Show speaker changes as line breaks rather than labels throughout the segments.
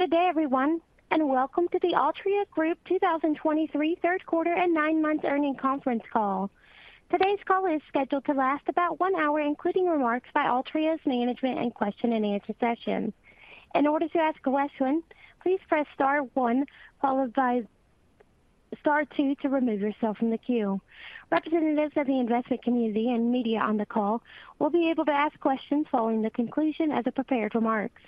Good day, everyone, and welcome to the Altria Group 2023 Q3 and 9 months Earnings Conference Call. Today's call is scheduled to last about one hour, including remarks by Altria's management and question and answer session. In order to ask a question, please press star one, followed by star two to remove yourself from the queue. Representatives of the investment community and media on the call will be able to ask questions following the conclusion of the prepared remarks.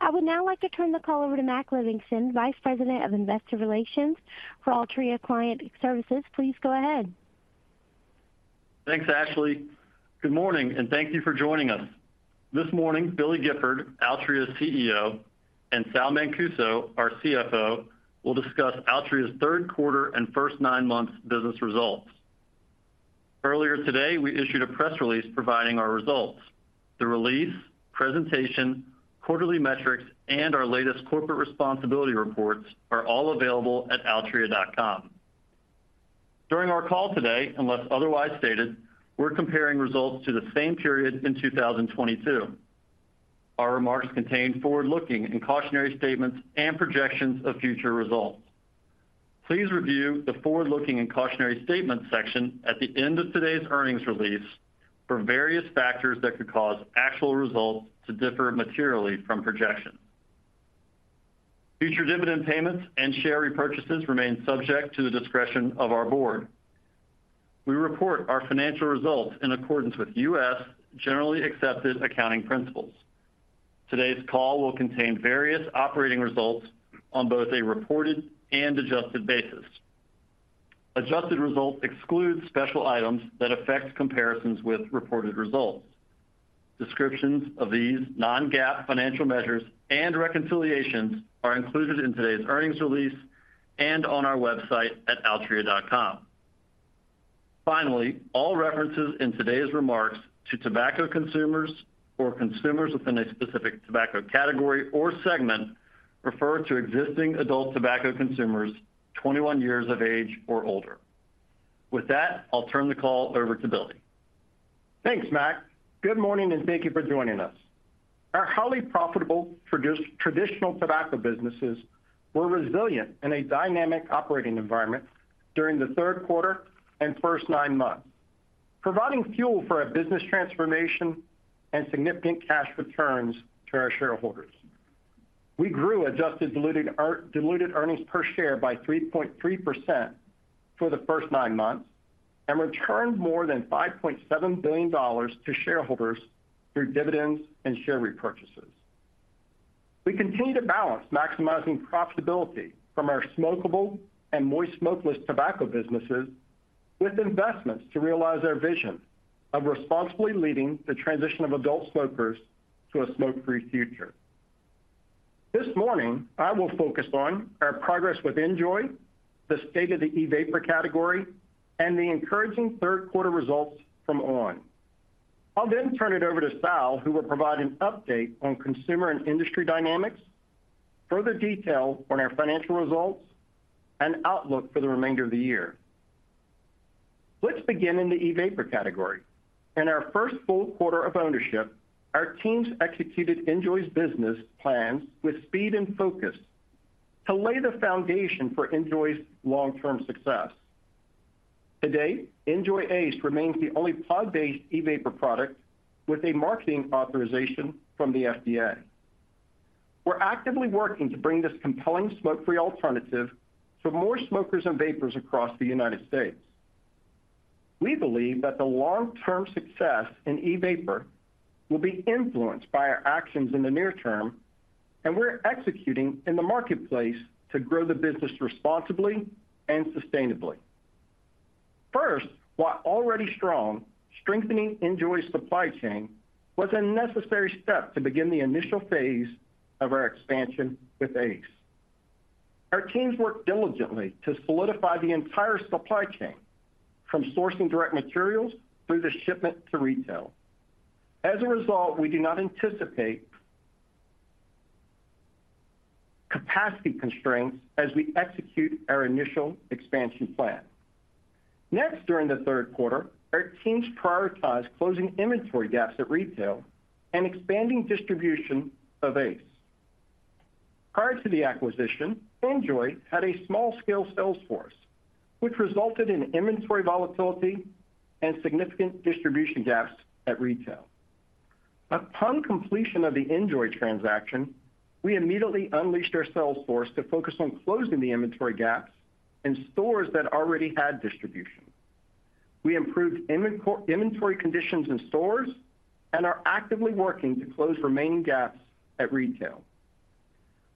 I would now like to turn the call over to Mac Livingston, Vice President of Investor Relations for Altria Client Services. Please go ahead.
Thanks, Ashley. Good morning, and thank you for joining us. This morning, Billy Gifford, Altria's CEO, and Sal Mancuso, our CFO, will discuss Altria's Q3 and first nine-months business results. Earlier today, we issued a press release providing our results. The release, presentation, quarterly metrics, and our latest corporate responsibility reports are all available at altria.com. During our call today, unless otherwise stated, we're comparing results to the same period in 2022. Our remarks contain forward-looking and cautionary statements and projections of future results. Please review the forward-looking and cautionary statements section at the end of today's earnings release for various factors that could cause actual results to differ materially from projections. Future dividend payments and share repurchases remain subject to the discretion of our board. We report our financial results in accordance with U.S. generally accepted accounting principles. Today's call will contain various operating results on both a reported and adjusted basis. Adjusted results exclude special items that affect comparisons with reported results. Descriptions of these non-GAAP financial measures and reconciliations are included in today's earnings release and on our website at altria.com. Finally, all references in today's remarks to tobacco consumers or consumers within a specific tobacco category or segment refer to existing adult tobacco consumers, 21 years of age or older. With that, I'll turn the call over to Billy.
Thanks, Mac. Good morning, and thank you for joining us. Our highly profitable traditional tobacco businesses were resilient in a dynamic operating environment during Q3 and first nine months, providing fuel for a business transformation and significant cash returns to our shareholders. We grew adjusted diluted our... diluted earnings per share by 3.3% for the first nine months, and returned more than $5.7 billion to shareholders through dividends and share repurchases. We continue to balance maximizing profitability from our smokable and moist smokeless tobacco businesses with investments to realize our vision of responsibly leading the transition of adult smokers to a smoke-free future. This morning, I will focus on our progress with NJOY, the state of the e-vapor category, and the encouraging Q3 results from On! I'll then turn it over to Sal, who will provide an update on consumer and industry dynamics, further detail on our financial results, and outlook for the remainder of the year. Let's begin in the e-vapor category. In our first full quarter of ownership, our teams executed NJOY's business plans with speed and focus to lay the foundation for NJOY's long-term success. Today, NJOY ACE remains the only pod-based e-vapor product with a marketing authorization from the FDA. We're actively working to bring this compelling smoke-free alternative to more smokers and vapers across the United States. We believe that the long-term success in e-vapor will be influenced by our actions in the near term, and we're executing in the marketplace to grow the business responsibly and sustainably. First, while already strong, strengthening NJOY's supply chain was a necessary step to begin the initial phase of our expansion with ACE. Our teams worked diligently to solidify the entire supply chain, from sourcing direct materials through the shipment to retail. As a result, we do not anticipate capacity constraints as we execute our initial expansion plan. Next, during the Q3, our teams prioritized closing inventory gaps at retail and expanding distribution of ACE. Prior to the acquisition, NJOY had a small-scale sales force, which resulted in inventory volatility and significant distribution gaps at retail. Upon completion of the NJOY transaction, we immediately unleashed our sales force to focus on closing the inventory gaps in stores that already had distribution. We improved inventory conditions in stores and are actively working to close remaining gaps at retail.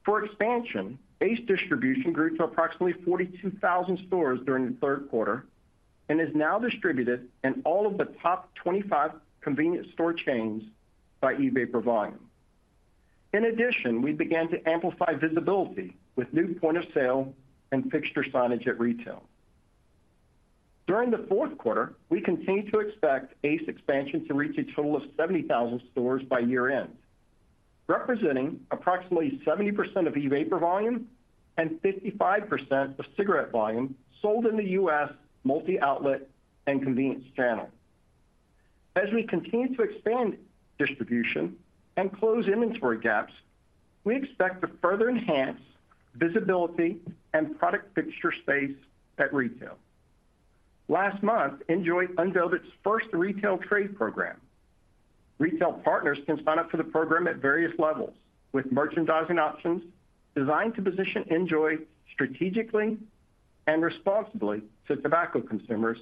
For expansion, ACE distribution grew to approximately 42,000 stores during Q3 and is now distributed in all of the top 25 convenience store chains by e-vapor volume. In addition, we began to amplify visibility with new point of sale and fixture signage at retail. During Q4, we continue to expect ACE expansion to reach a total of 70,000 stores by year-end, representing approximately 70% of e-vapor volume and 55% of cigarette volume sold in the U.S. multi-outlet and convenience channel. As we continue to expand distribution and close inventory gaps, we expect to further enhance visibility and product fixture space at retail. Last month, NJOY unveiled its first retail trade program. Retail partners can sign up for the program at various levels, with merchandising options designed to position NJOY strategically and responsibly to tobacco consumers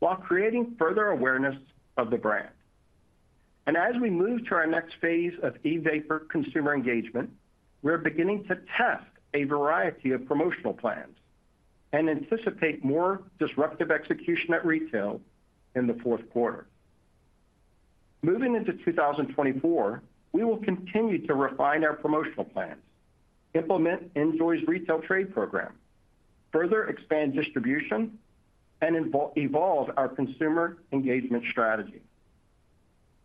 while creating further awareness of the brand. And as we move to our next phase of e-vapor consumer engagement, we are beginning to test a variety of promotional plans and anticipate more disruptive execution at retail in Q4. Moving into 2024, we will continue to refine our promotional plans, implement NJOY's retail trade program, further expand distribution, and evolve our consumer engagement strategy.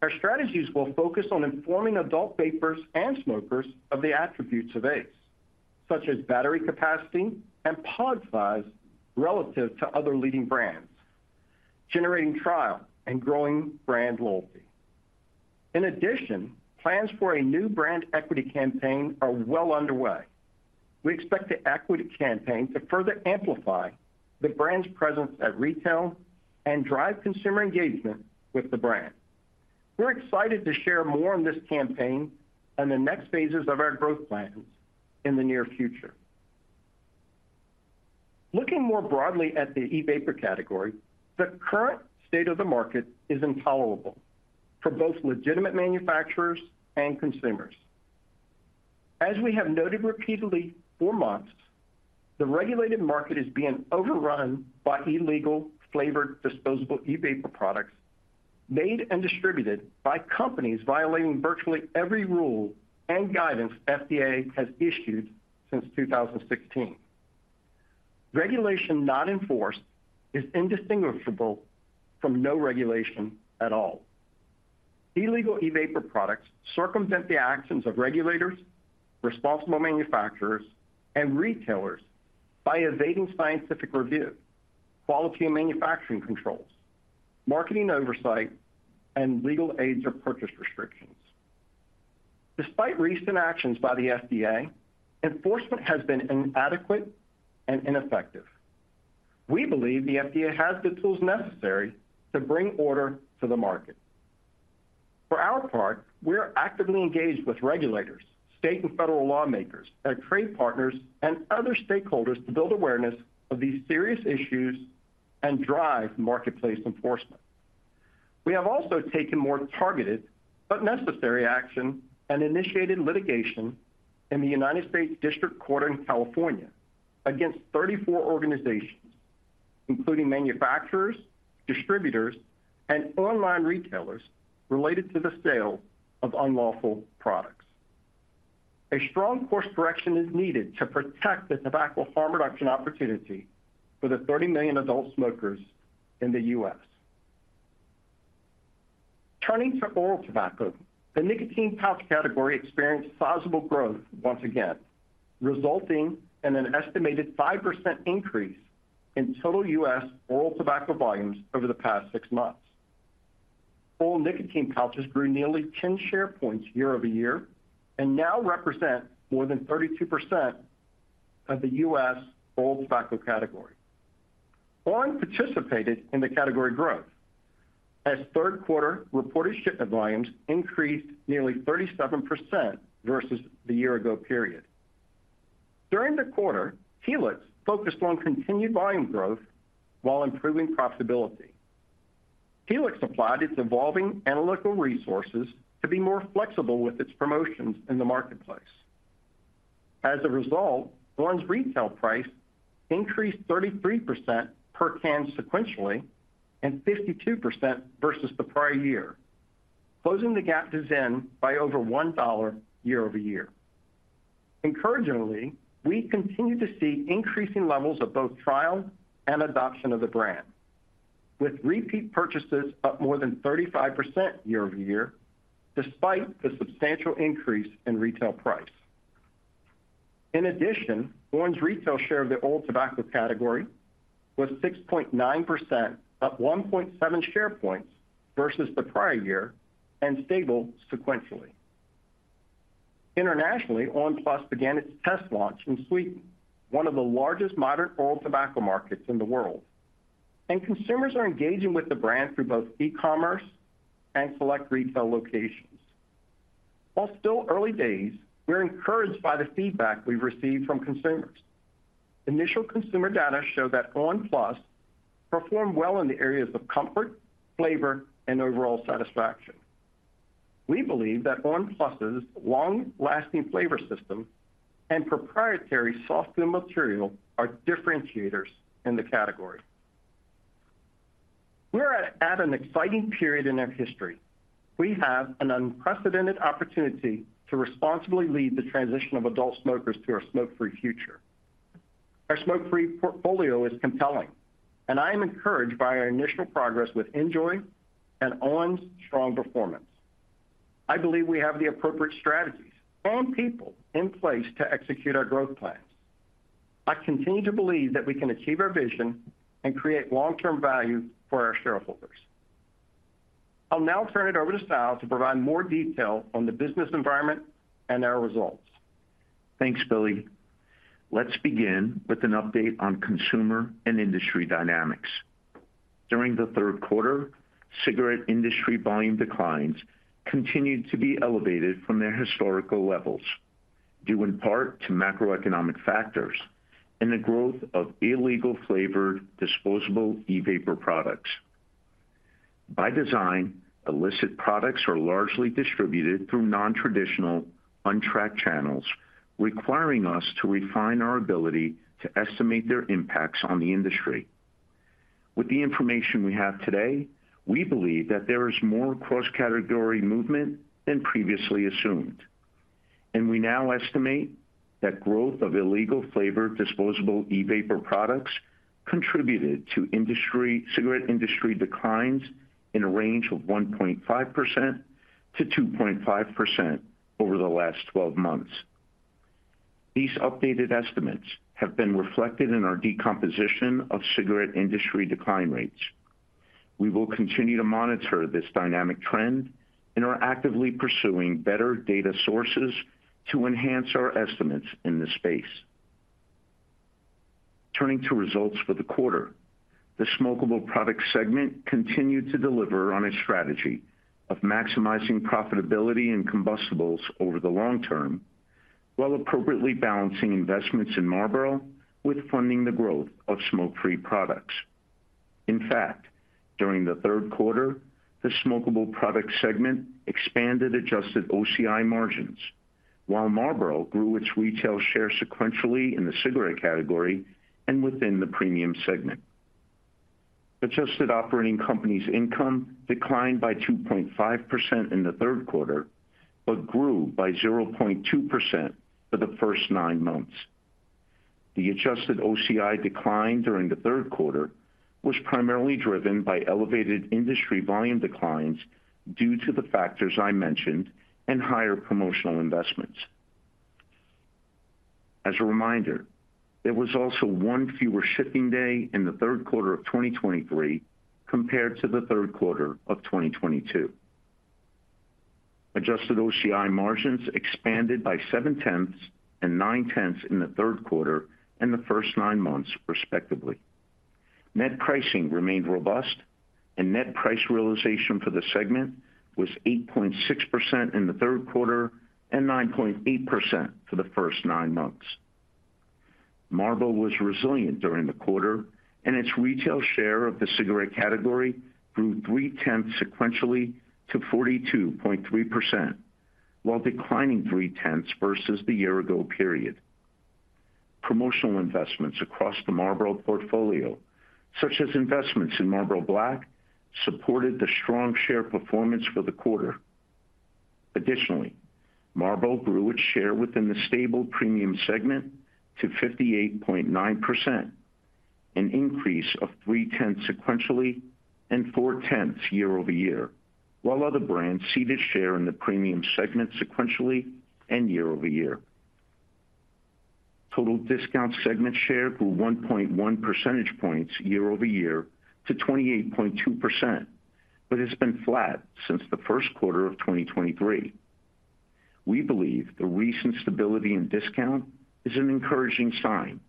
Our strategies will focus on informing adult vapers and smokers of the attributes of ACE, such as battery capacity and pod size relative to other leading brands, generating trial and growing brand loyalty. In addition, plans for a new brand equity campaign are well underway. We expect the equity campaign to further amplify the brand's presence at retail and drive consumer engagement with the brand. We're excited to share more on this campaign and the next phases of our growth plans in the near future. Looking more broadly at the e-vapor category, the current state of the market is intolerable for both legitimate manufacturers and consumers. As we have noted repeatedly for months, the regulated market is being overrun by illegal flavored, disposable e-vapor products made and distributed by companies violating virtually every rule and guidance FDA has issued since 2016. Regulation not enforced is indistinguishable from no regulation at all. Illegal e-vapor products circumvent the actions of regulators, responsible manufacturers, and retailers by evading scientific review, quality and manufacturing controls, marketing oversight, and legal aids or purchase restrictions. Despite recent actions by the FDA, enforcement has been inadequate and ineffective. We believe the FDA has the tools necessary to bring order to the market. For our part, we are actively engaged with regulators, state and federal lawmakers, our trade partners, and other stakeholders to build awareness of these serious issues and drive marketplace enforcement. We have also taken more targeted but necessary action and initiated litigation in the United States District Court in California against 34 organizations, including manufacturers, distributors, and online retailers, related to the sale of unlawful products. A strong course correction is needed to protect the tobacco harm reduction opportunity for the 30 million adult smokers in the U.S. Turning to oral tobacco, the nicotine pouch category experienced sizable growth once again, resulting in an estimated 5% increase in total U.S. oral tobacco volumes over the past six months. Oral nicotine pouches grew nearly 10 share points year-over-year and now represent more than 32% of the U.S. oral tobacco category. On! participated in the category growth, as Q3 reported shipment volumes increased nearly 37% versus the year ago period. During the quarter, Helix focused on continued volume growth while improving profitability. Helix applied its evolving analytical resources to be more flexible with its promotions in the marketplace. As a result, On!'s retail price increased 33% per can sequentially, and 52% versus the prior year, closing the gap to ZYN by over $1 year-over-year. Encouragingly, we continue to see increasing levels of both trial and adoption of the brand, with repeat purchases up more than 35% year-over-year, despite the substantial increase in retail price. In addition, On!'s retail share of the oral tobacco category was 6.9%, up 1.7 share points versus the prior year, and stable sequentially. Internationally, On! PLUS began its test launch in Sweden, one of the largest modern oral tobacco markets in the world, and consumers are engaging with the brand through both e-commerce and select retail locations. While still early days, we're encouraged by the feedback we've received from consumers. Initial consumer data show that On! PLUS performed well in the areas of comfort, flavor, and overall satisfaction. We believe that On! PLUS's long-lasting flavor system and proprietary soft material are differentiators in the category. We are at an exciting period in our history. We have an unprecedented opportunity to responsibly lead the transition of adult smokers to our smoke-free future. Our smoke-free portfolio is compelling, and I am encouraged by our initial progress with NJOY and On!'s strong performance. I believe we have the appropriate strategies and people in place to execute our growth plans, I continue to believe that we can achieve our vision and create long-term value for our shareholders. I'll now turn it over to Sal to provide more detail on the business environment and our results.
Thanks, Billy. Let's begin with an update on consumer and industry dynamics. During the Q3, cigarette industry volume declines continued to be elevated from their historical levels, due in part to macroeconomic factors and the growth of illegal flavored disposable e-vapor products. By design, illicit products are largely distributed through nontraditional, untracked channels, requiring us to refine our ability to estimate their impacts on the industry. With the information we have today, we believe that there is more cross-category movement than previously assumed, and we now estimate that growth of illegal flavored disposable e-vapor products contributed to cigarette industry declines in a range of 1.5%-2.5% over the last 12 months. These updated estimates have been reflected in our decomposition of cigarette industry decline rates. We will continue to monitor this dynamic trend and are actively pursuing better data sources to enhance our estimates in this space. Turning to results for the quarter, the smokable product segment continued to deliver on its strategy of maximizing profitability and combustibles over the long term, while appropriately balancing investments in Marlboro with funding the growth of smoke-free products. In fact, during Q3, the smokable product segment expanded adjusted OCI margins, while Marlboro grew its retail share sequentially in the cigarette category and within the premium segment. Adjusted operating company's income declined by 2.5% in Q3, but grew by 0.2% for the first nine months. The adjusted OCI decline during Q3 was primarily driven by elevated industry volume declines due to the factors I mentioned and higher promotional investments. As a reminder, there was also one fewer shipping day in Q3 of 2023 compared to Q3 of 2022. Adjusted OCI margins expanded by 0.7 and 0.9 in Q3 and the first nine months, respectively. Net pricing remained robust, and net price realization for the segment was 8.6% in Q3 and 9.8% for the first nine months. Marlboro was resilient during the quarter, and its retail share of the cigarette category grew 0.3 sequentially to 42.3%, while declining 0.3 versus the year-ago period. Promotional investments across the Marlboro portfolio, such as investments in Marlboro Black, supported the strong share performance for the quarter. Additionally, Marlboro grew its share within the stable premium segment to 58.9%, an increase of 0.3 sequentially and 0.4 year-over-year, while other brands ceded share in the premium segment sequentially and year-over-year. Total discount segment share grew 1.1 percentage points year-over-year to 28.2%, but has been flat since Q1 of 2023. We believe the recent stability in discount is an encouraging sign,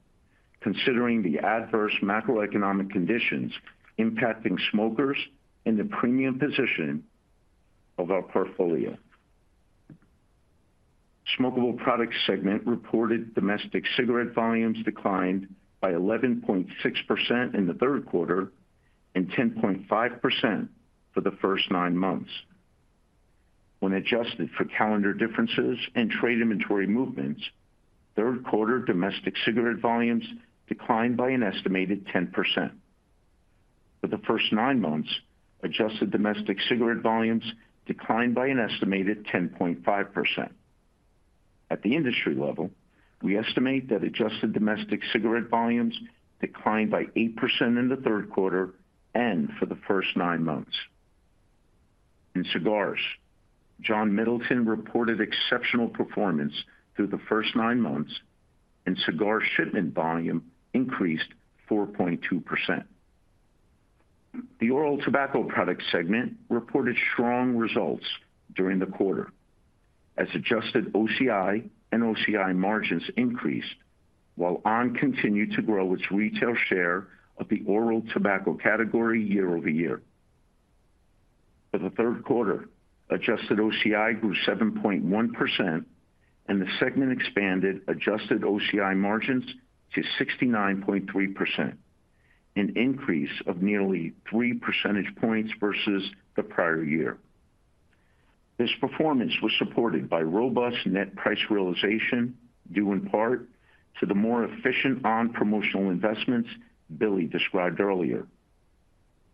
considering the adverse macroeconomic conditions impacting smokers and the premium position of our portfolio. Smokable products segment reported domestic cigarette volumes declined by 11.6% in Q3 and 10.5% for the first nine months. When adjusted for calendar differences and trade inventory movements, Q3 domestic cigarette volumes declined by an estimated 10%. For the first nine months, adjusted domestic cigarette volumes declined by an estimated 10.5%. At the industry level, we estimate that adjusted domestic cigarette volumes declined by 8% in Q3 and for the first nine months. In cigars, John Middleton reported exceptional performance through the first nine months, and cigar shipment volume increased 4.2%. The oral tobacco products segment reported strong results during the quarter, as adjusted OCI and OCI margins increased, while On! continued to grow its retail share of the oral tobacco category year-over-year. For Q3, adjusted OCI grew 7.1% and the segment expanded adjusted OCI margins to 69.3%, an increase of nearly three percentage points versus the prior year. This performance was supported by robust net price realization, due in part to the more efficient On! promotional investments Billy described earlier.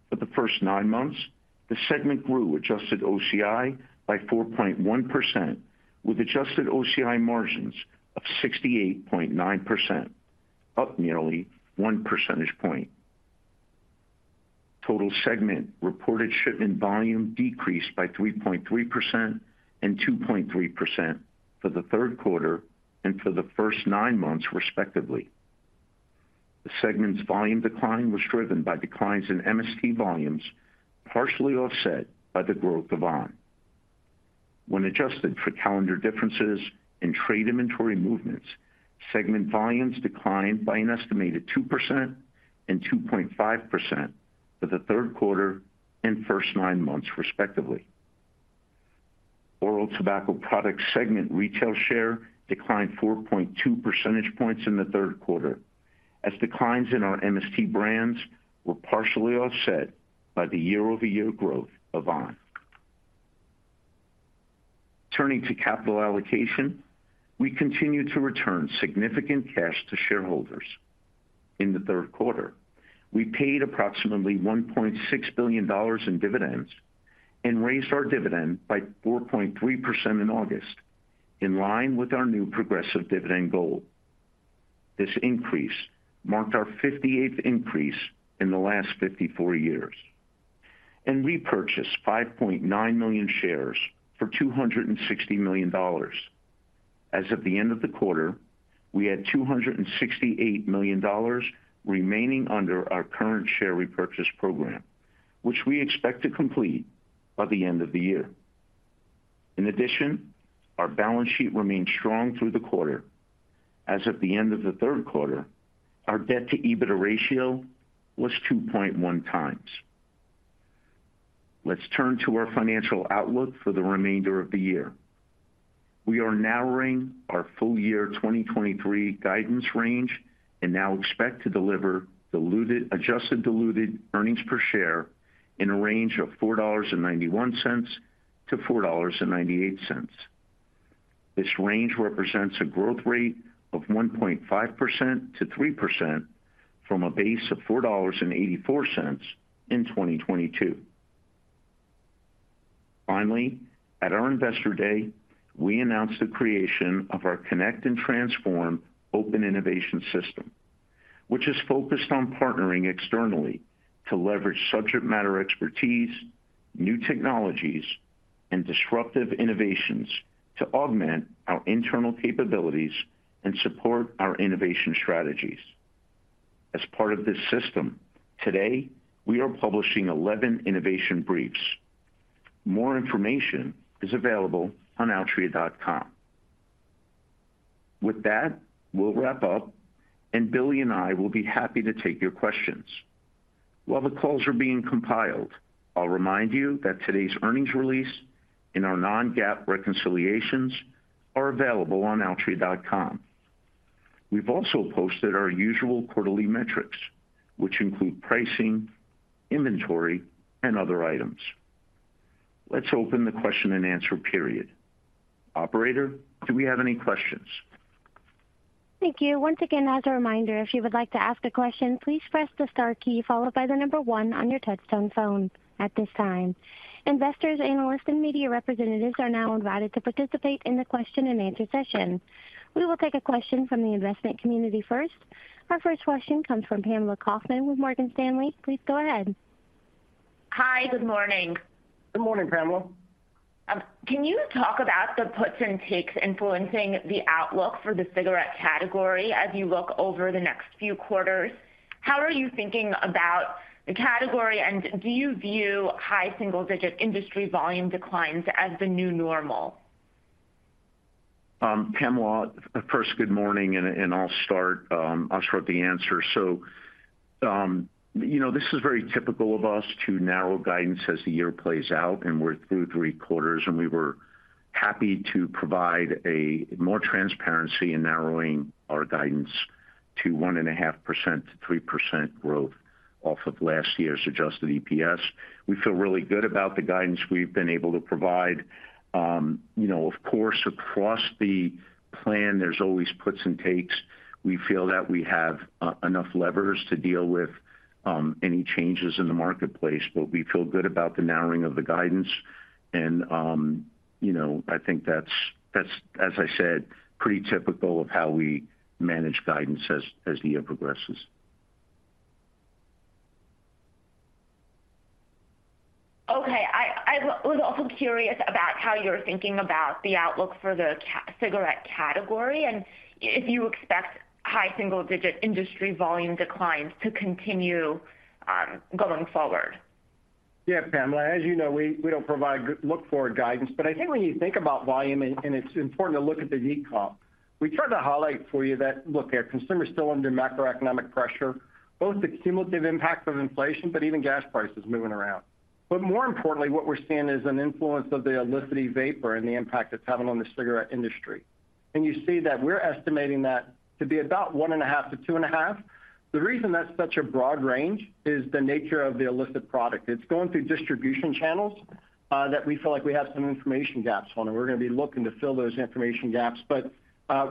For the first nine months, the segment grew adjusted OCI by 4.1%, with adjusted OCI margins of 68.9%, up nearly one percentage point. Total segment reported shipment volume decreased by 3.3% and 2.3% for Q3 and for the first nine months, respectively. The segment's volume decline was driven by declines in MST volumes, partially offset by the growth of On!. When adjusted for calendar differences and trade inventory movements, segment volumes declined by an estimated 2% and 2.5% for Q3 and first nine months, respectively. Oral tobacco products segment retail share declined 4.2 percentage points in Q3, as declines in our MST brands were partially offset by the year-over-year growth of On!. Turning to capital allocation, we continue to return significant cash to shareholders. In Q3, we paid approximately $1.6 billion in dividends and raised our dividend by 4.3% in August, in line with our new progressive dividend goal. This increase marked our 58th increase in the last 54 years, and repurchased 5.9 million shares for $260 million. As of the end of the quarter, we had $268 million remaining under our current share repurchase program, which we expect to complete by the end of the year. In addition, our balance sheet remained strong through the quarter. As of the end of Q3, our debt-to-EBITDA ratio was 2.1 times. Let's turn to our financial outlook for the remainder of the year. We are narrowing our full year 2023 guidance range, and now expect to deliver adjusted diluted earnings per share in a range of $4.91-$4.98. This range represents a growth rate of 1.5%-3% from a base of $4.84 in 2022. Finally, at our Investor Day, we announced the creation of our Connect and Transform open innovation system, which is focused on partnering externally to leverage subject matter expertise, new technologies, and disruptive innovations to augment our internal capabilities and support our innovation strategies. As part of this system, today, we are publishing 11 innovation briefs. More information is available on altria.com. With that, we'll wrap up, and Billy and I will be happy to take your questions. While the calls are being compiled, I'll remind you that today's earnings release and our non-GAAP reconciliations are available on altria.com. We've also posted our usual quarterly metrics, which include pricing, inventory, and other items. Let's open the question-and-answer period. Operator, do we have any questions?
Thank you. Once again, as a reminder, if you would like to ask a question, please press the star key followed by the number one on your touchtone phone. At this time, investors, analysts, and media representatives are now invited to participate in the question-and-answer session. We will take a question from the investment community first. Our first question comes from Pamela Kaufman with Morgan Stanley. Please go ahead.
Hi, good morning.
Good morning, Pamela.
Can you talk about the puts and takes influencing the outlook for the cigarette category as you look over the next few quarters? How are you thinking about the category, and do you view high single-digit industry volume declines as the new normal?
Pamela, first, good morning, and I'll start the answer. So, you know, this is very typical of us to narrow guidance as the year plays out, and we're through three quarters, and we were happy to provide more transparency in narrowing our guidance to 1.5%-3% growth off of last year's adjusted EPS. We feel really good about the guidance we've been able to provide. You know, of course, across the plan, there's always puts and takes. We feel that we have enough levers to deal with any changes in the marketplace, but we feel good about the narrowing of the guidance. And, you know, I think that's, as I said, pretty typical of how we manage guidance as the year progresses.
Okay. I was also curious about how you're thinking about the outlook for the cigarette category and if you expect high single-digit industry volume declines to continue, going forward?
Yeah, Pamela, as you know, we don't provide forward-looking guidance, but I think when you think about volume, and it's important to look at the year comp. We tried to highlight for you that, look, our consumers are still under macroeconomic pressure, both the cumulative impact of inflation, but even gas prices moving around. But more importantly, what we're seeing is an influence of the illicit e-vapor and the impact it's having on the cigarette industry. And you see that we're estimating that to be about 1.5-2.5. The reason that's such a broad range is the nature of the illicit product. It's going through distribution channels that we feel like we have some information gaps on, and we're gonna be looking to fill those information gaps. But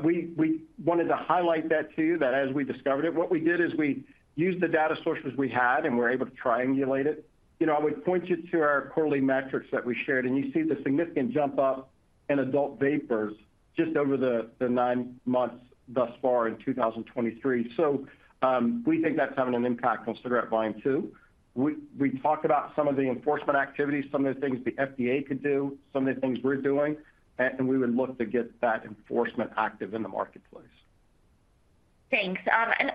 we wanted to highlight that to you, that as we discovered it, what we did is we used the data sources we had, and we were able to triangulate it. You know, I would point you to our quarterly metrics that we shared, and you see the significant jump up in adult vapers just over the nine months thus far in 2023. So we think that's having an impact on cigarette volume too. We talked about some of the enforcement activities, some of the things the FDA could do, some of the things we're doing, and we would look to get that enforcement active in the marketplace.
Thanks.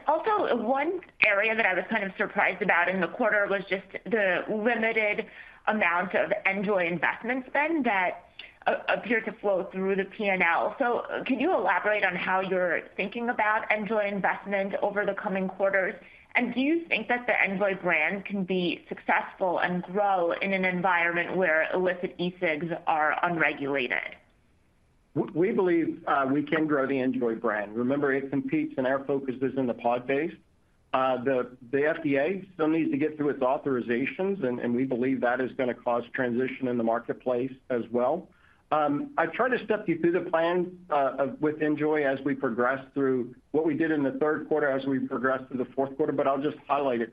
Also one area that I was kind of surprised about in the quarter was just the limited amount of NJOY investment spend that appeared to flow through the PNL. So can you elaborate on how you're thinking about NJOY investment over the coming quarters? And do you think that the NJOY brand can be successful and grow in an environment where illicit e-cigs are unregulated?
We believe we can grow the NJOY brand. Remember, it competes, and our focus is in the pod base. The FDA still needs to get through its authorizations, and we believe that is going to cause transition in the marketplace as well. I tried to step you through the plan with NJOY as we progress through what we did in Q3, as we progress through Q4, but I'll just highlight it.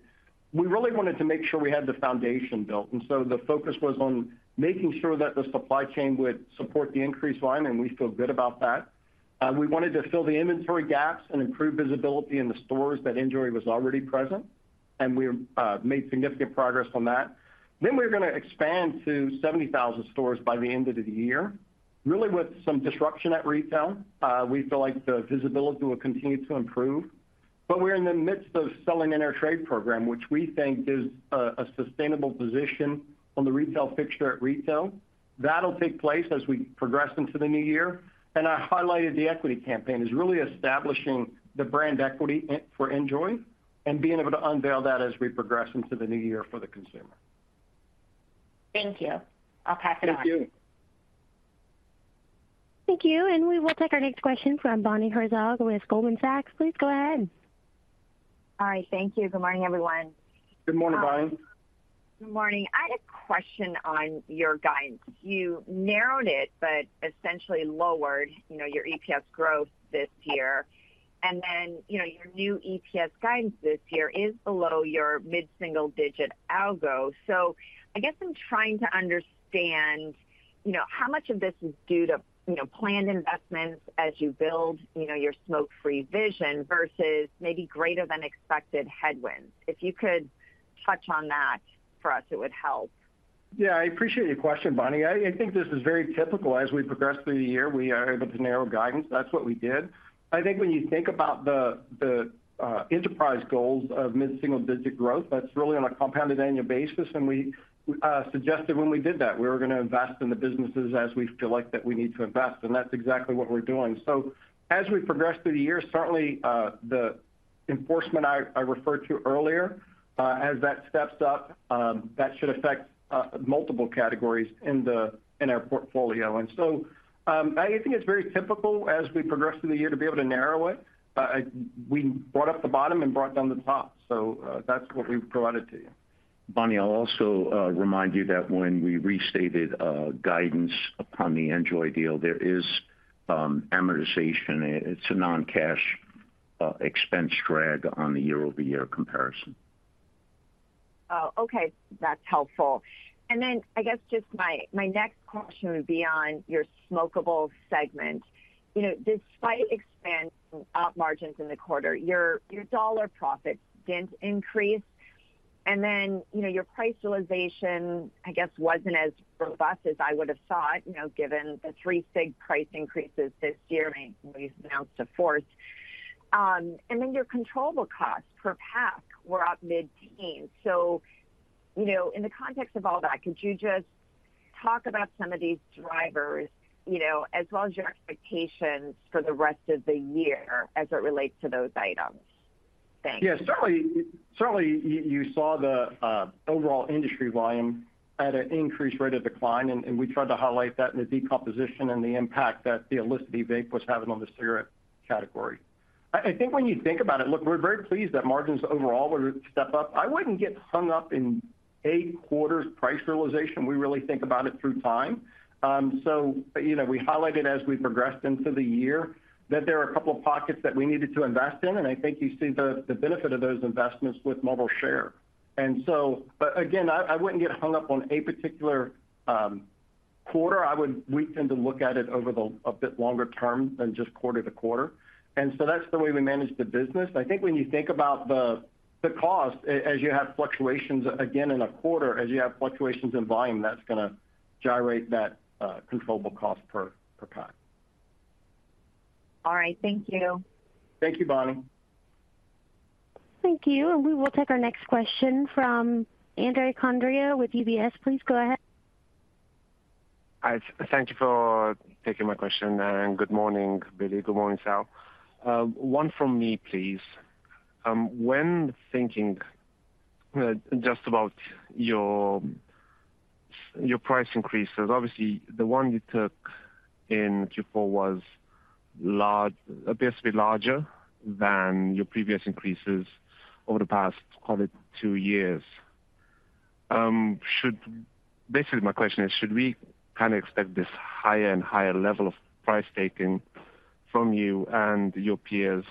We really wanted to make sure we had the foundation built, and so the focus was on making sure that the supply chain would support the increased volume, and we feel good about that. We wanted to fill the inventory gaps and improve visibility in the stores that NJOY was already present, and we made significant progress on that. Then we're going to expand to 70,000 stores by the end of the year, really with some disruption at retail. We feel like the visibility will continue to improve, but we're in the midst of selling in our trade program, which we think is a sustainable position on the retail fixture at retail. That'll take place as we progress into the new year. And I highlighted the equity campaign, is really establishing the brand equity for NJOY and being able to unveil that as we progress into the new year for the consumer.
Thank you. I'll pass it on.
Thank you.
Thank you, and we will take our next question from Bonnie Herzog with Goldman Sachs. Please go ahead.
All right. Thank you. Good morning, everyone.
Good morning, Bonnie.
Good morning. I had a question on your guidance. You narrowed it, but essentially lowered, you know, your EPS growth this year. And then, you know, your new EPS guidance this year is below your mid-single-digit algo. So I guess I'm trying to understand, you know, how much of this is due to, you know, planned investments as you build, you know, your smoke-free vision versus maybe greater than expected headwinds? If you could touch on that for us, it would help.
Yeah, I appreciate your question, Bonnie. I think this is very typical. As we progress through the year, we are able to narrow guidance. That's what we did. I think when you think about the enterprise goals of mid-single-digit growth, that's really on a compounded annual basis, and we suggested when we did that we were going to invest in the businesses as we feel like that we need to invest, and that's exactly what we're doing. So as we progress through the year, certainly, the enforcement I referred to earlier, as that steps up, that should affect multiple categories in our portfolio. And so, I think it's very typical as we progress through the year to be able to narrow it. We brought up the bottom and brought down the top. That's what we've provided to you.
Bonnie, I'll also remind you that when we restated guidance upon the NJOY deal, there is amortization. It's a non-cash expense drag on the year-over-year comparison.
Oh, okay. That's helpful. And then I guess just my, my next question would be on your smokable segment. You know, despite expanding margins in the quarter, your, your dollar profits didn't increase. And then, you know, your price realization, I guess, wasn't as robust as I would have thought, you know, given the three-cent price increases this year, and you've announced a fourth. And then your controllable costs per pack were up mid-teens. So, you know, in the context of all that, could you just talk about some of these drivers, you know, as well as your expectations for the rest of the year as it relates to those items? Thanks.
Yeah, certainly, certainly you, you saw the overall industry volume at an increased rate of decline, and, and we tried to highlight that in the decomposition and the impact that the illicit e-cig was having on the cigarette category. I, I think when you think about it, look, we're very pleased that margins overall were stepped up. I wouldn't get hung up in a quarter's price realization. We really think about it through time. So you know, we highlighted as we progressed into the year that there are a couple of pockets that we needed to invest in, and I think you see the, the benefit of those investments with Marlboro share. And so—but again, I, I wouldn't get hung up on a particular quarter. I would—we tend to look at it over the a bit longer term than just quarter-to -quarter. And so that's the way we manage the business. I think when you think about the cost, as you have fluctuations again in a quarter, as you have fluctuations in volume, that's going to gyrate that, controllable cost per pack.
All right. Thank you.
Thank you, Bonnie.
Thank you. And we will take our next question from Andrei Condrea with UBS. Please go ahead.
Hi, thank you for taking my question, and good morning, Billy. Good morning, Sal. One from me, please. When thinking just about your, your price increases, obviously the one you took in Q4 was large, obviously larger than your previous increases over the past, call it, two years. Should, basically, my question is, should we kind of expect this higher and higher level of price taking?... from you and your peers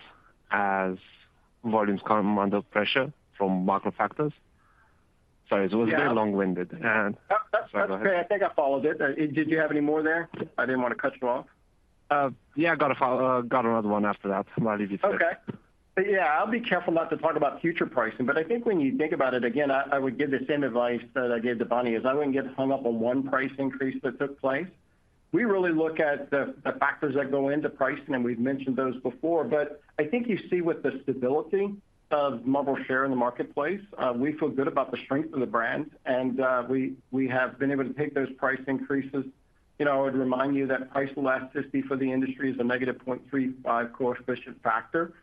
as volumes come under pressure from macro factors? Sorry, it was a bit long-winded, and-
That's, that's
okay.
I think I followed it. Did you have any more there? I didn't want to cut you off.
Yeah, I've got a follow, got another one after that, so I'll leave you to it.
Okay. Yeah, I'll be careful not to talk about future pricing, but I think when you think about it, again, I would give the same advice that I gave to Bonnie, is I wouldn't get hung up on one price increase that took place. We really look at the factors that go into pricing, and we've mentioned those before, but I think you see with the stability of Marlboro share in the marketplace, we feel good about the strength of the brand, and we have been able to take those price increases. You know, I would remind you that price elasticity for the industry is a negative 0.35 coefficient factor.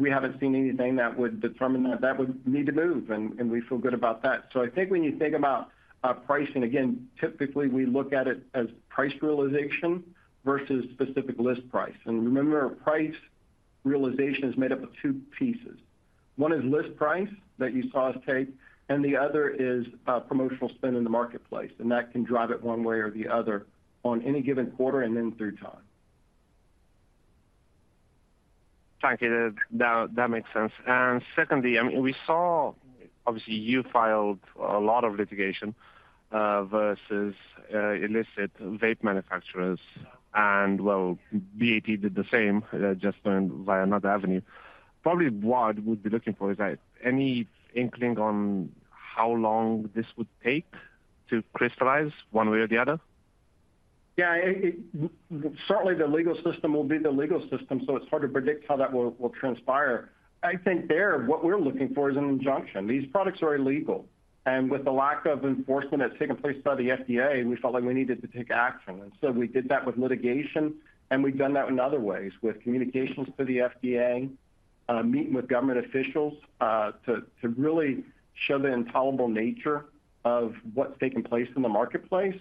We haven't seen anything that would determine that that would need to move, and we feel good about that. So I think when you think about our pricing, again, typically we look at it as price realization versus specific list price. And remember, price realization is made up of two pieces. One is list price, that you saw us take, and the other is, promotional spend in the marketplace, and that can drive it one way or the other on any given quarter, and then through time.
Thank you. That, that makes sense. And secondly, I mean, we saw, obviously, you filed a lot of litigation versus illicit vape manufacturers, and well, BAT did the same just by another avenue. Probably what we'd be looking for is that any inkling on how long this would take to crystallize one way or the other?
Yeah, it certainly the legal system will be the legal system, so it's hard to predict how that will transpire. I think what we're looking for is an injunction. These products are illegal, and with the lack of enforcement that's taken place by the FDA, we felt like we needed to take action. And so we did that with litigation, and we've done that in other ways, with communications to the FDA, meeting with government officials, to really show the intolerable nature of what's taking place in the marketplace.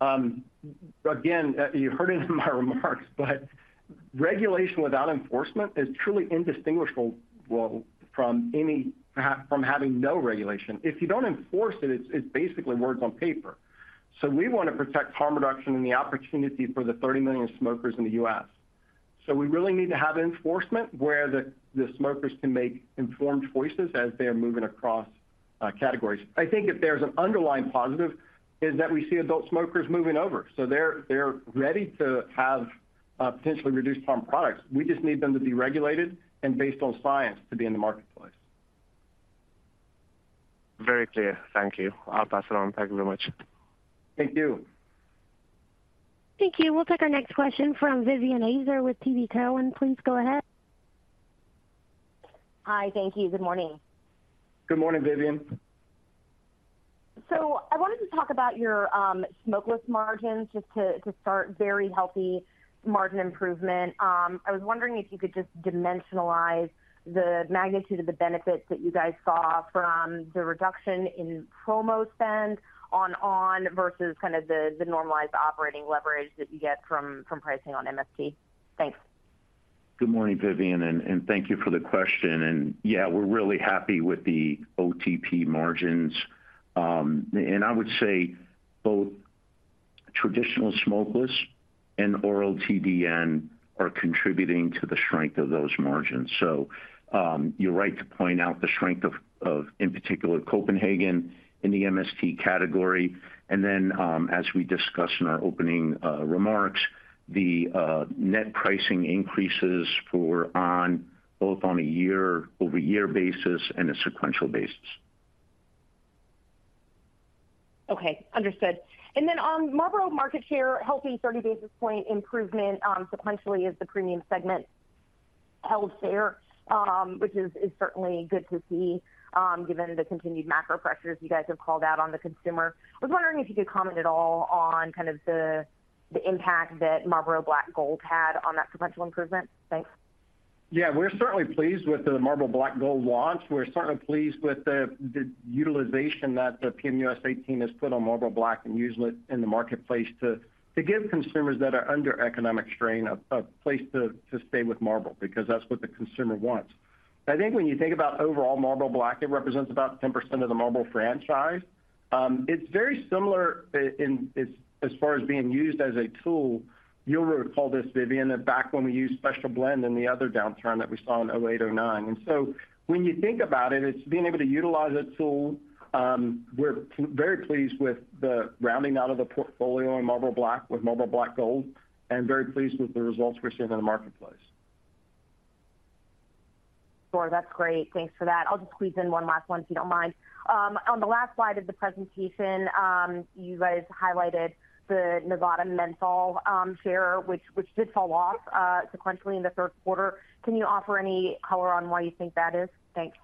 Again, you heard it in my remarks, but regulation without enforcement is truly indistinguishable from any, from having no regulation. If you don't enforce it, it's basically words on paper. So we want to protect harm reduction and the opportunity for the 30 million smokers in the U.S. So we really need to have enforcement where the smokers can make informed choices as they are moving across categories. I think if there's an underlying positive, is that we see adult smokers moving over, so they're ready to have potentially reduced harm products. We just need them to be regulated and based on science to be in the marketplace.
Very clear. Thank you. I'll pass it on. Thank you very much.
Thank you.
Thank you. We'll take our next question from Vivien Azer with TD Cowen. Please go ahead.
Hi. Thank you. Good morning.
Good morning, Vivien.
So I wanted to talk about your smokeless margins, just to start. Very healthy margin improvement. I was wondering if you could just dimensionalize the magnitude of the benefits that you guys saw from the reduction in promo spend on versus kind of the normalized operating leverage that you get from pricing on MST. Thanks.
Good morning, Vivien, and thank you for the question. And yeah, we're really happy with the OTP margins. And I would say both traditional smokeless and oral TDN are contributing to the strength of those margins. So, you're right to point out the strength of in particular, Copenhagen in the MST category. And then, as we discussed in our opening remarks, the net pricing increases for on both on a year-over-year basis and a sequential basis.
Okay, understood. And then on Marlboro market share, healthy 30 basis point improvement, sequentially as the premium segment held fair, which is, is certainly good to see, given the continued macro pressures you guys have called out on the consumer. I was wondering if you could comment at all on kind of the, the impact that Marlboro Black Gold had on that sequential improvement? Thanks.
Yeah, we're certainly pleased with the Marlboro Black Gold launch. We're certainly pleased with the utilization that the PMUSA team has put on Marlboro Black and use it in the marketplace to give consumers that are under economic strain, a place to stay with Marlboro, because that's what the consumer wants. I think when you think about overall Marlboro Black, it represents about 10% of the Marlboro franchise. It's very similar in as far as being used as a tool. You'll recall this, Vivien, that back when we used Special Blend in the other downturn that we saw in 2008, 2009. And so when you think about it, it's being able to utilize that tool. We're very pleased with the rounding out of the portfolio in Marlboro Black with Marlboro Black Gold, and very pleased with the results we're seeing in the marketplace.
Sure. That's great. Thanks for that. I'll just squeeze in one last one, if you don't mind. On the last slide of the presentation, you guys highlighted the Nevada menthol share, which did fall off sequentially in Q3. Can you offer any color on why you think that is? Thanks.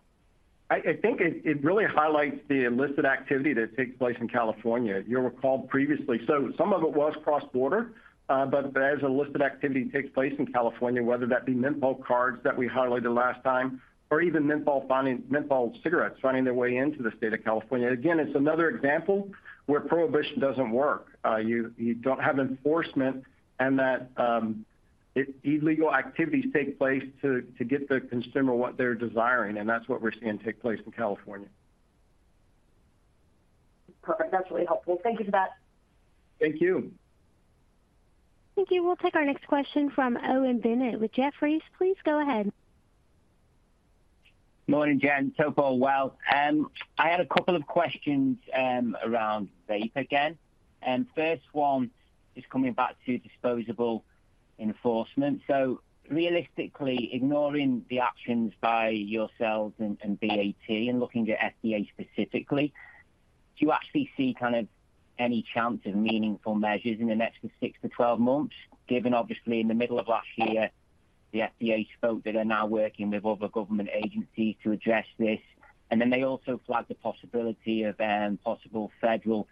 I think it really highlights the illicit activity that takes place in California. You'll recall previously, so some of it was cross-border, but as illicit activity takes place in California, whether that be menthol cards that we highlighted last time, or even menthol cigarettes finding their way into the State of California. Again, it's another example where prohibition doesn't work. You don't have enforcement and that illegal activities take place to get the consumer what they're desiring, and that's what we're seeing take place in California....
Perfect. That's really helpful. Thank you for that.
Thank you.
Thank you. We'll take our next question from Owen Bennett with Jefferies. Please go ahead.
Morning, gentlemen. So far, well, I had a couple of questions around vape again. And first one is coming back to disposable enforcement. So realistically, ignoring the actions by yourselves and and BAT and looking at FDA specifically, do you actually see kind of any chance of meaningful measures in the next six to 12 months, given obviously in the middle of last year, the FDA spoke, they are now working with other government agencies to address this. And then they also flagged the possibility of possible federal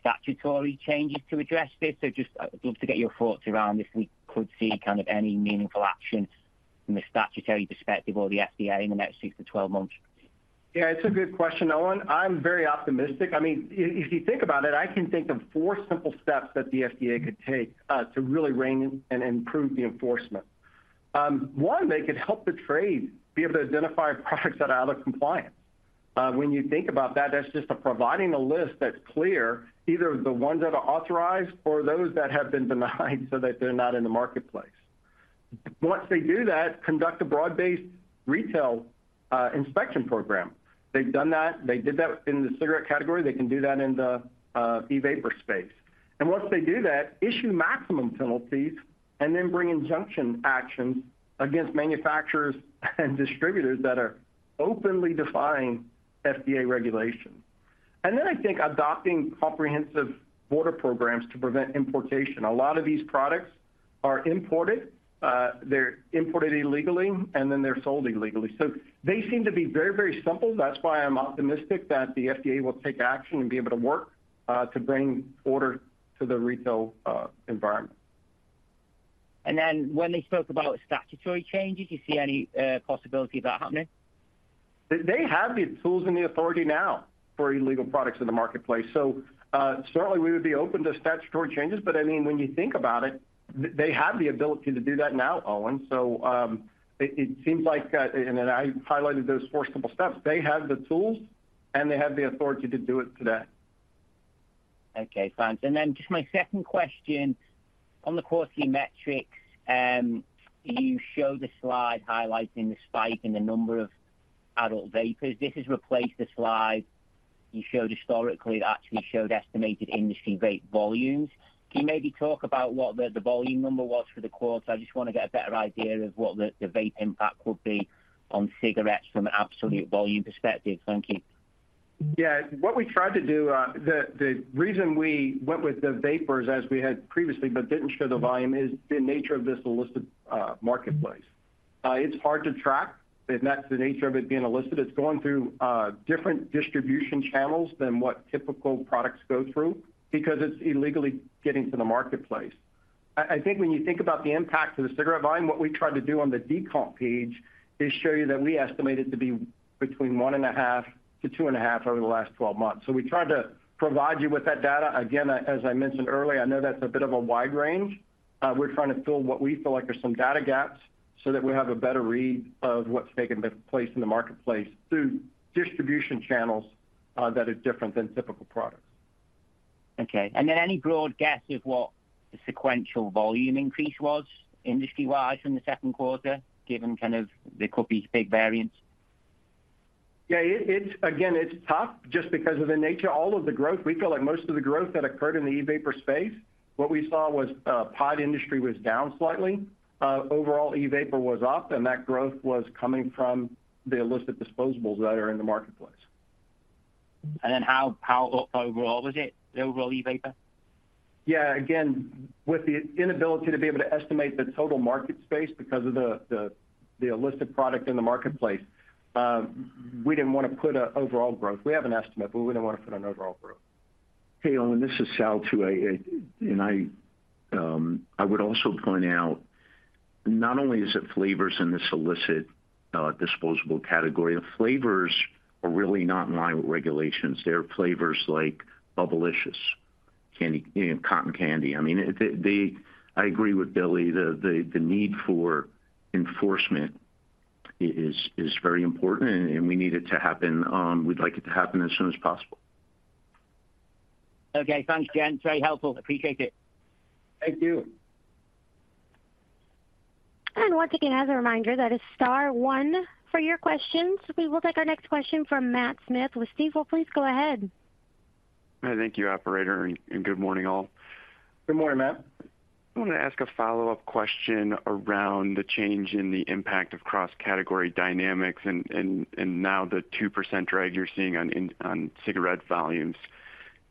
statutory changes to address this. So just, I'd love to get your thoughts around if we could see kind of any meaningful action from the statutory perspective or the FDA in the next six to 12 months.
Yeah, it's a good question, Owen. I'm very optimistic. I mean, if you think about it, I can think of four simple steps that the FDA could take to really rein in and improve the enforcement. One, they could help the trade be able to identify products that are out of compliance. When you think about that, that's just providing a list that's clear, either the ones that are authorized or those that have been denied so that they're not in the marketplace. Once they do that, conduct a broad-based retail inspection program. They've done that. They did that in the cigarette category. They can do that in the e-vapor space. And once they do that, issue maximum penalties and then bring injunction actions against manufacturers and distributors that are openly defying FDA regulations. And then I think adopting comprehensive border programs to prevent importation. A lot of these products are imported, they're imported illegally, and then they're sold illegally. So they seem to be very, very simple. That's why I'm optimistic that the FDA will take action and be able to work to bring order to the retail environment.
And then when they spoke about statutory changes, do you see any possibility of that happening?
They have the tools and the authority now for illegal products in the marketplace. So, certainly, we would be open to statutory changes, but I mean, when you think about it, they have the ability to do that now, Owen. So, it seems like, and then I highlighted those four simple steps. They have the tools, and they have the authority to do it today.
Okay, thanks. And then just my second question, on the quarterly metrics, you showed a slide highlighting the spike in the number of adult vapers. This has replaced the slide you showed historically, that actually showed estimated industry vape volumes. Can you maybe talk about what the volume number was for the quarter? I just want to get a better idea of what the vape impact would be on cigarettes from an absolute volume perspective. Thank you.
Yeah. What we tried to do, the reason we went with the vapers as we had previously, but didn't show the volume, is the nature of this illicit marketplace. It's hard to track, and that's the nature of it being illicit. It's going through different distribution channels than what typical products go through because it's illegally getting to the marketplace. I think when you think about the impact to the cigarette volume, what we tried to do on the decomp page is show you that we estimate it to be between 1.5-2.5 over the last 12 months. So we tried to provide you with that data. Again, as I mentioned earlier, I know that's a bit of a wide range. We're trying to fill what we feel like are some data gaps so that we have a better read of what's taking place in the marketplace through distribution channels that are different than typical products.
Okay, and then any broad guess of what the sequential volume increase was industry-wise in Q2, given kind of there could be big variance?
Yeah, it's again, it's tough just because of the nature. All of the growth, we feel like most of the growth that occurred in the e-vapor space, what we saw was, pod industry was down slightly. Overall, e-vapor was up, and that growth was coming from the illicit disposables that are in the marketplace.
How overall was it, the overall e-vapor?
Yeah, again, with the inability to be able to estimate the total market space because of the illicit product in the marketplace, we didn't want to put an overall growth. We have an estimate, but we wouldn't want to put an overall growth.
Hey, Owen, this is Sal Mancuso, and I, I would also point out, not only is it flavors in this illicit, disposable category, the flavors are really not in line with regulations. They're flavors like Bubblicious candy, you know, Cotton candy. I mean, I agree with Billy, the need for enforcement is very important, and we need it to happen, we'd like it to happen as soon as possible.
Okay, thanks again. It's very helpful. Appreciate it.
Thank you.
Once again, as a reminder, that is star one for your questions. We will take our next question from Matt Smith with Stifel. Please go ahead.
Thank you, operator, and good morning, all.
Good morning, Matt.
I wanted to ask a follow-up question around the change in the impact of cross-category dynamics and, and now the 2% drag you're seeing on, on cigarette volumes.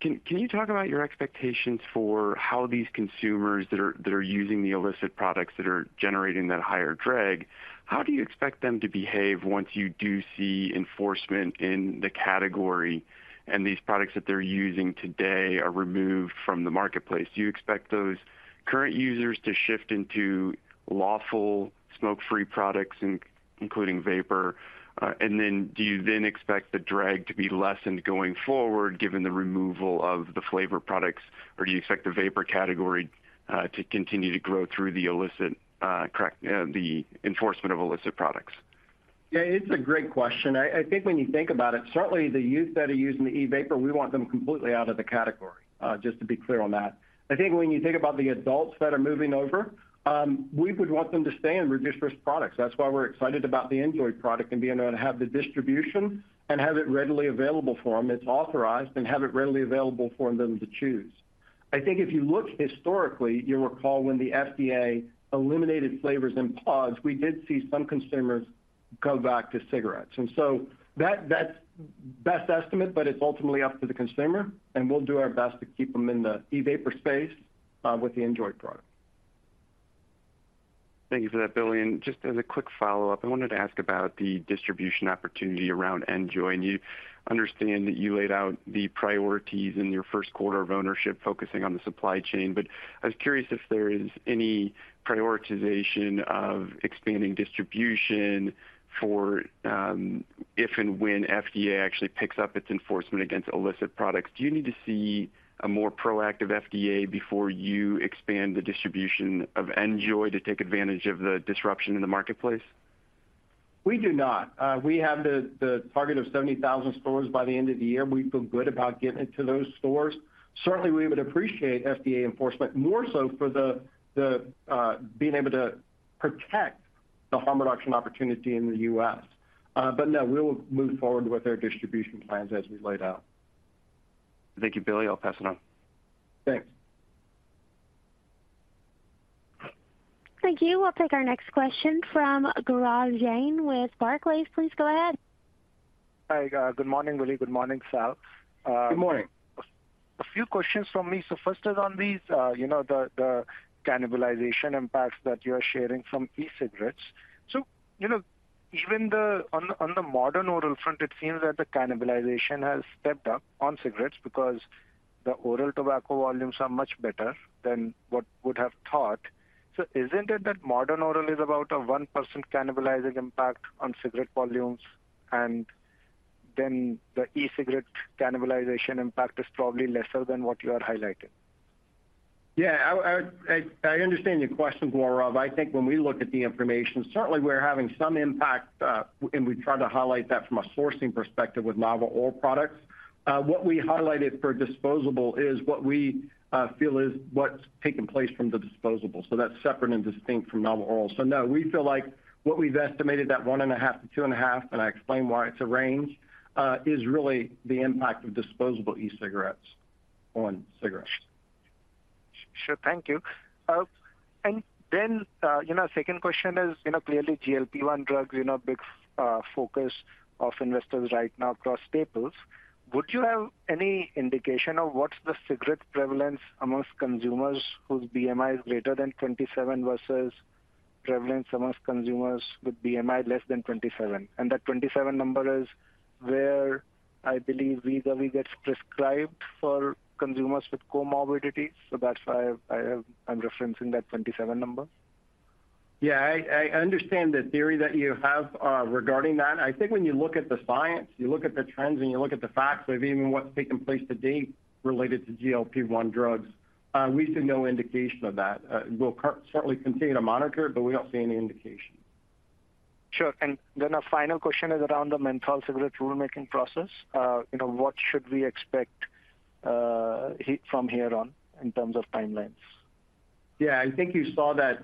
Can you talk about your expectations for how these consumers that are, that are using the illicit products that are generating that higher drag, how do you expect them to behave once you do see enforcement in the category, and these products that they're using today are removed from the marketplace? Do you expect those current users to shift into lawful smoke-free products, including vapor? Do you then expect the drag to be lessened going forward, given the removal of the flavor products, or do you expect the vapor category to continue to grow through the illicit, correct, the enforcement of illicit products?...
Yeah, it's a great question. I think when you think about it, certainly the youth that are using the e-vapor, we want them completely out of the category, just to be clear on that. I think when you think about the adults that are moving over, we would want them to stay in reduced-risk products. That's why we're excited about the NJOY product and being able to have the distribution and have it readily available for them. It's authorized, and have it readily available for them to choose. I think if you look historically, you'll recall when the FDA eliminated flavors in pods, we did see some consumers go back to cigarettes. And so that's best estimate, but it's ultimately up to the consumer, and we'll do our best to keep them in the e-vapor space, with the NJOY product.
Thank you for that, Billy. Just as a quick follow-up, I wanted to ask about the distribution opportunity around NJOY. You understand that you laid out the priorities in your Q1 of ownership, focusing on the supply chain. But I was curious if there is any prioritization of expanding distribution for if and when FDA actually picks up its enforcement against illicit products. Do you need to see a more proactive FDA before you expand the distribution of NJOY to take advantage of the disruption in the marketplace?
We do not. We have the target of 70,000 stores by the end of the year. We feel good about getting it to those stores. Certainly, we would appreciate FDA enforcement more so for the being able to protect the harm reduction opportunity in the U.S. But no, we'll move forward with our distribution plans as we laid out.
Thank you, Billy. I'll pass it on.
Thanks.
Thank you. We'll take our next question from Gaurav Jain with Barclays. Please go ahead.
Hi, good morning, Billy. Good morning, Sal.
Good morning.
A few questions from me. So first is on these, you know, the cannibalization impacts that you are sharing from e-cigarettes. So, you know, even on the modern oral front, it seems that the cannibalization has stepped up on cigarettes because the oral tobacco volumes are much better than what would have thought. So isn't it that modern oral is about a 1% cannibalizing impact on cigarette volumes, and then the e-cigarette cannibalization impact is probably lesser than what you are highlighting?
Yeah, I understand your question, Gaurav. I think when we look at the information, certainly we're having some impact, and we've tried to highlight that from a sourcing perspective with novel oral products. What we highlighted for disposable is what we feel is what's taking place from the disposable. So that's separate and distinct from novel oral. So no, we feel like what we've estimated, that 1.5-2.5, and I explained why it's a range, is really the impact of disposable e-cigarettes on cigarettes.
Sure. Thank you. And then, you know, second question is, you know, clearly GLP-1 drugs, you know, big focus of investors right now across staples. Would you have any indication of what's the cigarette prevalence amongst consumers whose BMI is greater than 27 versus prevalence amongst consumers with BMI less than 27? And that 27 number is where I believe Wegovy gets prescribed for consumers with comorbidities, so that's why I, I'm referencing that 27 number.
Yeah, I understand the theory that you have regarding that. I think when you look at the science, you look at the trends, and you look at the facts of even what's taken place to date related to GLP-1 drugs, we see no indication of that. We'll certainly continue to monitor, but we don't see any indication.
Sure. And then a final question is around the menthol cigarette rulemaking process. You know, what should we expect from here on in terms of timelines?
Yeah, I think you saw that,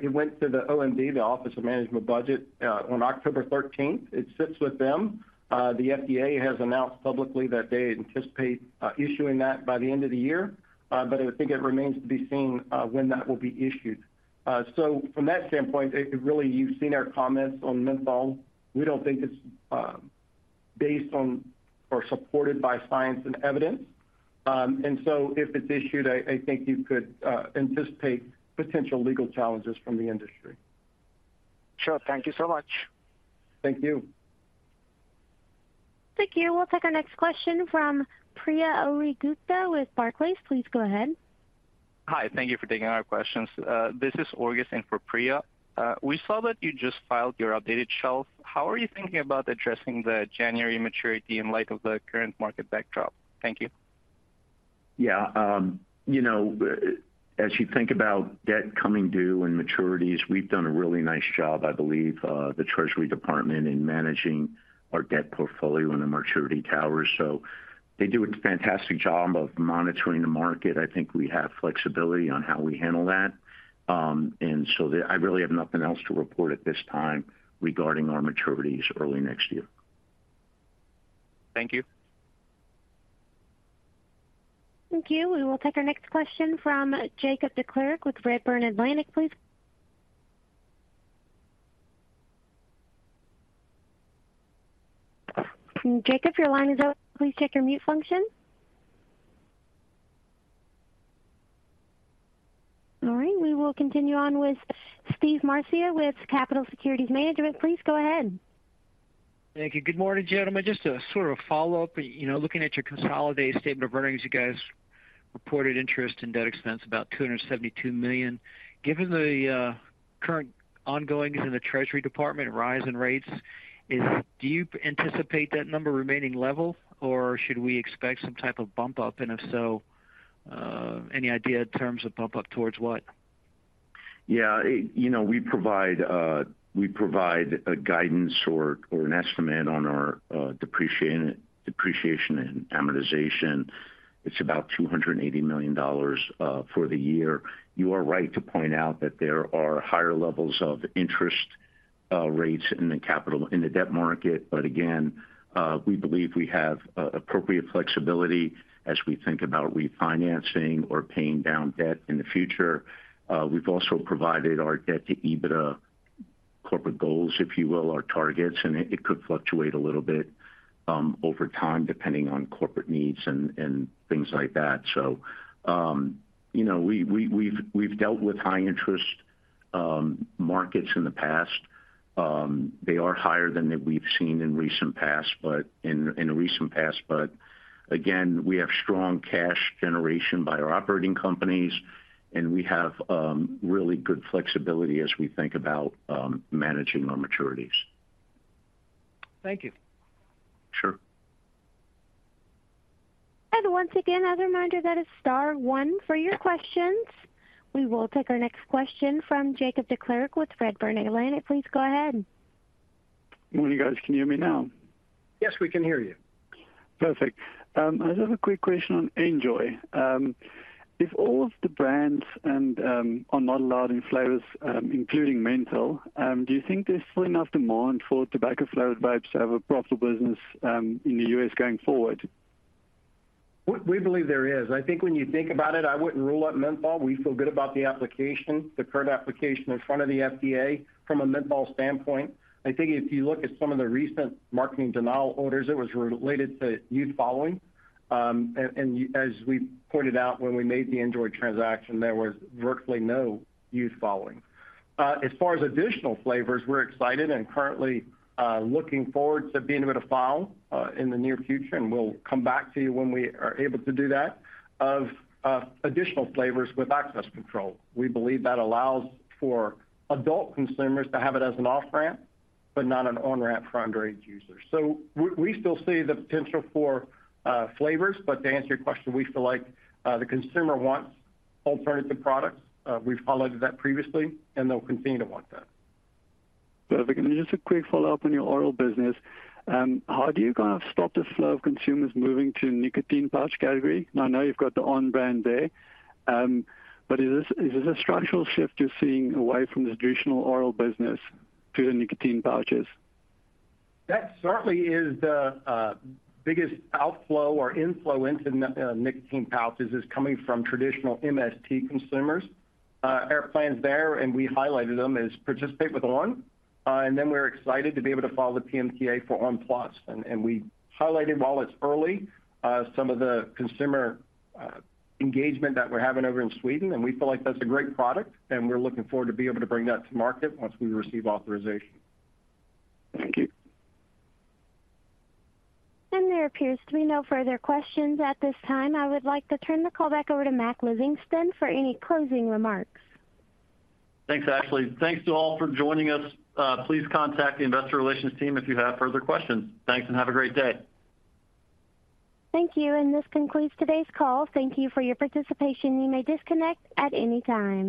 it went to the OMB, the Office of Management and Budget, on October thirteenth. It sits with them. The FDA has announced publicly that they anticipate issuing that by the end of the year, but I think it remains to be seen when that will be issued. So from that standpoint, it really you've seen our comments on menthol. We don't think it's based on or supported by science and evidence. And so if it's issued, I think you could anticipate potential legal challenges from the industry.
Sure. Thank you so much.
Thank you.
Thank you. We'll take our next question from Priya Ohri-Gupta with Barclays. Please go ahead.
Hi, thank you for taking our questions. This is August in for Priya. We saw that you just filed your updated shelf. How are you thinking about addressing the January maturity in light of the current market backdrop? Thank you.
Yeah, you know, as you think about debt coming due and maturities, we've done a really nice job, I believe, the Treasury Department, in managing our debt portfolio and the maturity tower. So they do a fantastic job of monitoring the market. I think we have flexibility on how we handle that. I really have nothing else to report at this time regarding our maturities early next year.
Thank you.
Thank you. We will take our next question from Jacob Declercq with Redburn Atlantic, please. Jacob, your line is open. Please check your mute function. All right, we will continue on with Steve Marascia with Capitol Securities Management. Please go ahead.
Thank you. Good morning, gentlemen. Just a sort of follow-up. You know, looking at your consolidated statement of earnings, you guys reported interest in debt expense, about $272 million. Given the current ongoing in the Treasury Department rise in rates... Do you anticipate that number remaining level, or should we expect some type of bump up? And if so, any idea in terms of bump up towards what?
Yeah, you know, we provide, we provide a guidance or, or an estimate on our, depreciation, depreciation and amortization. It's about $280 million for the year. You are right to point out that there are higher levels of interest, rates in the capital in the debt market. But again, we believe we have, appropriate flexibility as we think about refinancing or paying down debt in the future. We've also provided our debt to EBITDA corporate goals, if you will, our targets, and it, it could fluctuate a little bit, over time, depending on corporate needs and, and things like that. So, you know, we, we, we've, we've dealt with high interest, markets in the past. They are higher than that we've seen in recent past, but in, in the recent past. But again, we have strong cash generation by our operating companies, and we have really good flexibility as we think about managing our maturities.
Thank you.
Sure.
Once again, as a reminder, that is star one for your questions. We will take our next question from Jacob Declercq with Redburn Atlantic. Please go ahead.
Morning, guys. Can you hear me now?
Yes, we can hear you.
Perfect. I just have a quick question on NJOY. If all of the brands and are not allowed in flavors, including menthol, do you think there's still enough demand for tobacco-flavored vapes to have a profitable business, in the U.S. going forward?
We believe there is. I think when you think about it, I wouldn't rule out menthol. We feel good about the application, the current application in front of the FDA from a menthol standpoint. I think if you look at some of the recent marketing denial orders, it was related to youth following. And as we pointed out, when we made the NJOY transaction, there was virtually no youth following. As far as additional flavors, we're excited and currently looking forward to being able to file in the near future, and we'll come back to you when we are able to do that, of additional flavors with access control. We believe that allows for adult consumers to have it as an off-ramp, but not an on-ramp for underage users. So we still see the potential for flavors. But to answer your question, we feel like, the consumer wants alternative products. We've highlighted that previously, and they'll continue to want that.
Perfect. And just a quick follow-up on your oral business. How do you kind of stop the flow of consumers moving to nicotine pouch category? Now, I know you've got the On! brand there, but is this, is this a structural shift you're seeing away from the traditional oral business to the nicotine pouches?
That certainly is the biggest outflow or inflow into the nicotine pouches, is coming from traditional MST consumers. Our plans there, and we highlighted them, is participate with On! And then we're excited to be able to follow the PMTA for On! PLUS. And we highlighted, while it's early, some of the consumer engagement that we're having over in Sweden, and we feel like that's a great product, and we're looking forward to being able to bring that to market once we receive authorization.
Thank you.
And there appears to be no further questions at this time. I would like to turn the call back over to Mac Livingston for any closing remarks.
Thanks, Ashley. Thanks to all for joining us. Please contact the investor relations team if you have further questions. Thanks, and have a great day.
Thank you, and this concludes today's call. Thank you for your participation. You may disconnect at any time.